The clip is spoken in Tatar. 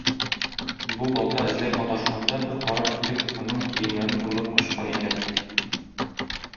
Бу балта эзләп маташканда бер карак килеп аның киемнәрен урлап качкан икән.